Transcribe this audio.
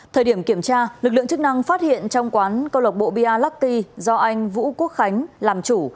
thời điểm kiểm tra lực lượng chức năng phát hiện trong quán câu lộc bộ bia lucky do anh vũ quốc khánh làm chủ